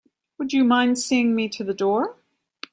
Would you mind seeing me to the door?